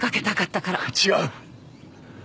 違う。